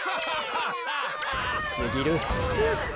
すぎる。